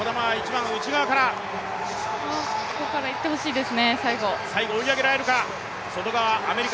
ここからいってほしいです。